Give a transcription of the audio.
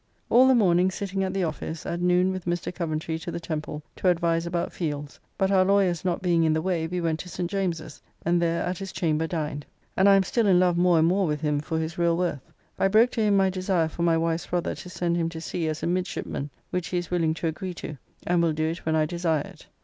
All the morning sitting at the office, at noon with Mr. Coventry to the Temple to advise about Field's, but our lawyers not being in the way we went to St. James's, and there at his chamber dined, and I am still in love more and more with him for his real worth. I broke to him my desire for my wife's brother to send him to sea as a midshipman, which he is willing to agree to, and will do it when I desire it.